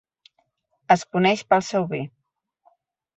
Es coneix pel seu vi.